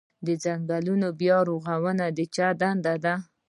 د ځنګلونو بیا رغونه د چا دنده ده؟